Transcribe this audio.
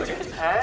え？